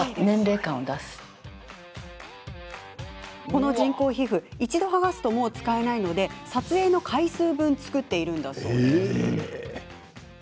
この人工皮膚一度、剥がすともう使えないので撮影の回数分作っているんだそうです。